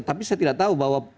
tapi saya tidak tahu bahwa